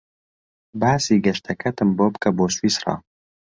باسی گەشتەکەتم بۆ بکە بۆ سویسرا.